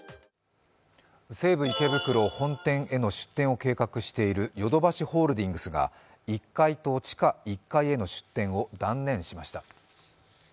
西武池袋本店への出店を計画しているヨドバシホールディングスが１階と地下１階への出店を断念しました。